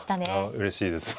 うれしいです。